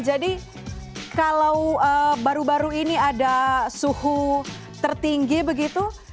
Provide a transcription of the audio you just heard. jadi kalau baru baru ini ada suhu tertinggi begitu